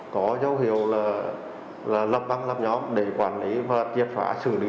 có dấu hiệu là lập băng lập nhóm để quản lý và kiệt phá xử lý